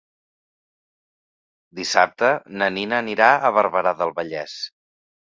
Dissabte na Nina anirà a Barberà del Vallès.